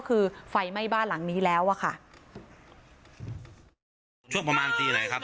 คือไฟไหม้บ้านหลังนี้แล้วอ่ะค่ะช่วงประมาณตีไหนครับ